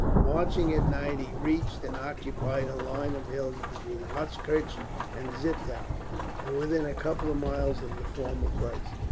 Marching at night, he reached and occupied a line of hills between Hochkirch and Zittau, and within a couple of miles of the former place.